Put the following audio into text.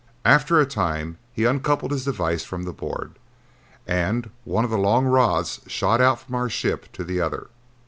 After a time he uncoupled his device from the board, and one of the long rods shot out from our ship to the other.